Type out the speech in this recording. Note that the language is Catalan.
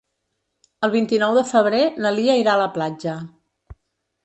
El vint-i-nou de febrer na Lia irà a la platja.